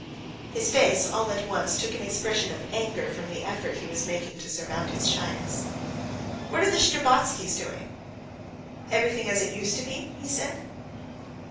His face all at once took an expression of anger from the effort he was making to surmount his shyness. "What are the Shtcherbatskys doing? Everything as it used to be?" he said.